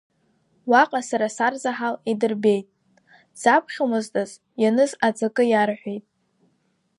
Уаҟа сара сарзаҳал идырбеит, дзаԥхьомызт азы, ианыз аҵакы иарҳәеит.